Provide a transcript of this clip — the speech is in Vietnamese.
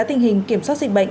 tình hình kiểm soát dịch bệnh